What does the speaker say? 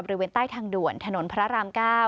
บริเวณใต้ทางด่วนถนนพระราม๙